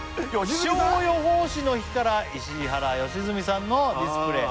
気象予報士の日から石原良純さんのディスプレイ